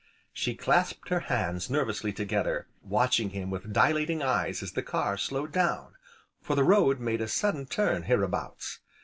She clasped her hands nervously together, watching him with dilating eyes as the car slowed down, for the road made a sudden turn, hereabouts.